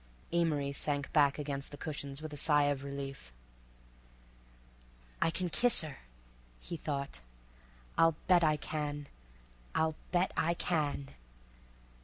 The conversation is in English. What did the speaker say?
Amory sank back against the cushions with a sigh of relief. "I can kiss her," he thought. "I'll bet I can. I'll bet I can!"